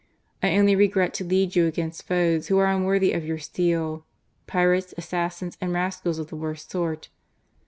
I only regret to lead you against foes who are unworthy of your steel : pirates, assassins, and rascals of the worst sort.